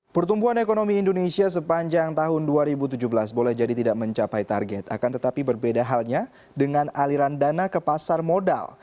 pertumbuhan ekonomi indonesia sepanjang tahun dua ribu tujuh belas boleh jadi tidak mencapai target akan tetapi berbeda halnya dengan aliran dana ke pasar modal